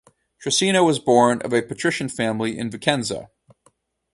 Trissino was born of a patrician family in Vicenza.